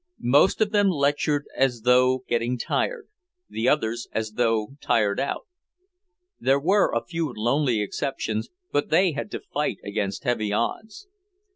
Most of them lectured as though getting tired, the others as though tired out. There were a few lonely exceptions but they had to fight against heavy odds.